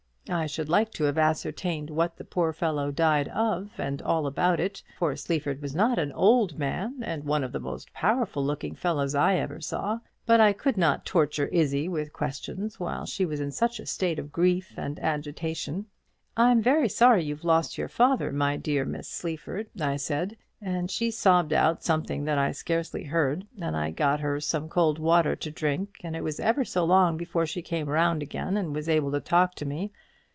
I should like to have ascertained what the poor fellow died of, and all about it, for Sleaford was not an old man, and one of the most powerful looking fellows I ever saw, but I could not torture Izzie with questions while she was in such a state of grief and agitation. 'I'm very sorry you've lost your father, my dear Miss Sleaford,' I said: and she sobbed out something that I scarcely heard, and I got her some cold water to drink, and it was ever so long before she came round again and was able to talk to me.